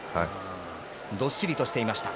どっしりとしていました。